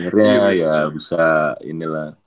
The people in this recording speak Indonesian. akhirnya ya bisa inilah